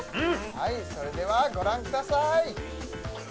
はいそれではご覧ください